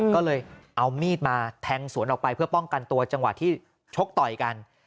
ก็เลยเอามีดมาแทงสวนออกไปเพื่อป้องกันตัวจังหวะที่ชกต่อยกัน